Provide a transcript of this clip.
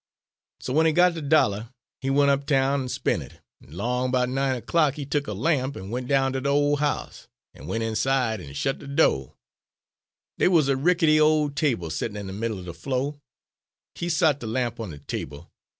"So w'en he got de dollah he went uptown an' spent it, an' 'long 'bout nine er clock he tuk a lamp, an' went down ter de ole house, an' went inside an' shet de do'. "Dey wuz a rickety ole table settin' in de middle er de flo'. He sot de lamp on de table.